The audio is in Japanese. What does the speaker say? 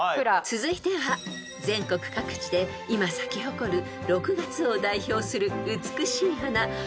［続いては全国各地で今咲き誇る６月を代表する美しい花アジサイから出題］